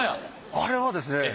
あれはですね